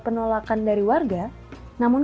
penolakan dari warga namun